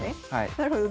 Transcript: なるほど。